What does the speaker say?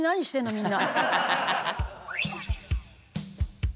みんな。